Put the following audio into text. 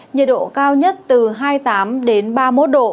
nhiệt độ cao nhất từ hai mươi tám ba mươi một độ